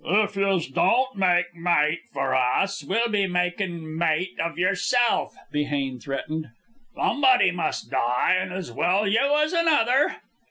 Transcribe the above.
"If yez don't make mate for us, we'll be makin' mate of yerself," Behane threatened. "Somebody must die, an' as well you as another."